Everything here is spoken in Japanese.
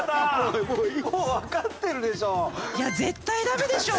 もうわかってるでしょ！